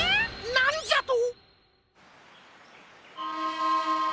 なんじゃと！